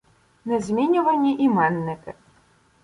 Незмінювані іменники